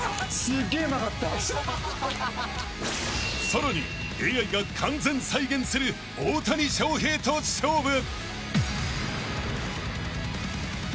［さらにＡＩが完全再現する大谷翔平と勝負］